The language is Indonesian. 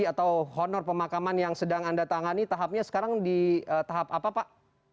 atau honor pemakaman yang sedang anda tangani tahapnya sekarang di tahap apa pak